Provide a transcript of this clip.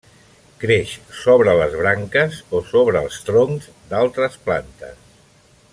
Creix sobre les branques o sobre els troncs d'altres plantes.